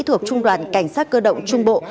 thuộc trung đoàn cảnh sát cơ động trung bộ